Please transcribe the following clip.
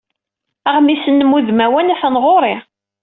Aɣmis-nnem udmawan atan ɣur-i.